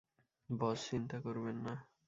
বস, চিন্তা করবেন না।